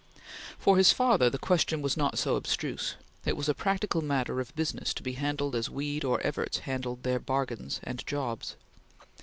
For his father the question was not so abstruse; it was a practical matter of business to be handled as Weed or Evarts handled their bargains and jobs.